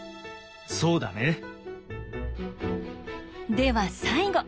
では最後。